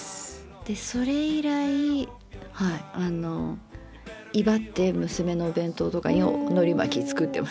でそれ以来はいあのいばって娘のお弁当とかにのり巻き作ってます。